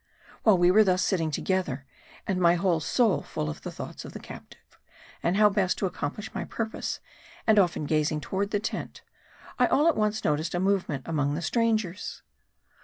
While we were thus sitting together, and my whole soul full of the thoughts of the captive, and how best to accom plish my purpose, and often gazing toward the tent ; I all at once noticed a movement among the strangers.